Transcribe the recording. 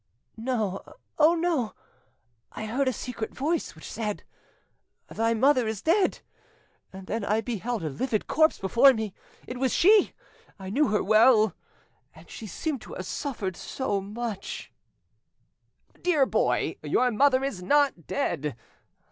"No! oh no! ... I heard a secret voice which said, 'Thy mother is dead!' ... And then I beheld a livid corpse before me ... It was she! ... I knew her well! and she seemed to have suffered so much——" "Dear boy, your mother is not dead